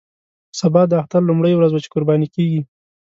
سبا د اختر لومړۍ ورځ وه چې قرباني کېږي.